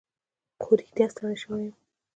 خو رښتیا ستړی شوی یم.